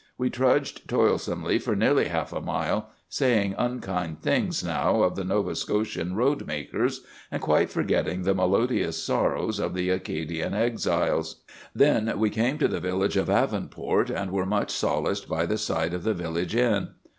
We trudged toilsomely for nearly half a mile, saying unkind things now of the Nova Scotian road makers, and quite forgetting the melodious sorrows of the Acadian exiles. "Then we came to the village of Avonport, and were much solaced by the sight of the village inn.